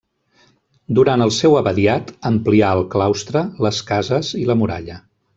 Durant el seu abadiat amplià el claustre, les cases i la muralla.